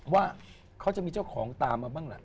ว่าเขาจะมีเจ้าของตามมาบ้างล่ะ